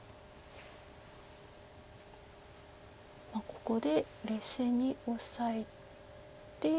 ここで冷静にオサえて。